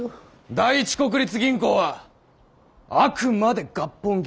第一国立銀行はあくまで合本銀行だ。